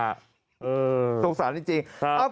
สงสารจริง